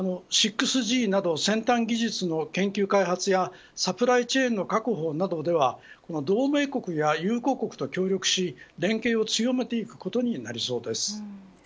６Ｇなど先端技術の研究開発やサプライチェーンの確保などでは同盟国や友好国と協力し連携を強めていくことになりそうです。